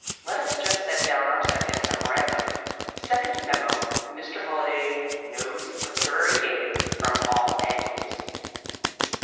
Let us just set down our second memorandum: Second Memo Mr. Holliday knows the Literary Game from All Angles!